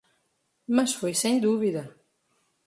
Mas foi sem dúvida.